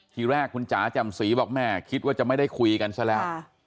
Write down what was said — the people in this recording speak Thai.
ทีแรกคุณจ๋าจำศรีบอกแม่คิดว่าจะไม่ได้คุยกันซะแล้ว